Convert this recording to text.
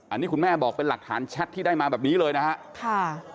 อันนี้คุณแม่บอกเป็นหลักฐานแชทที่ได้มาแบบนี้เลยนะฮะค่ะ